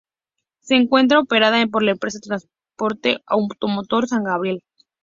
Se encuentra operada por la empresa Transporte Automotor San Gabriel.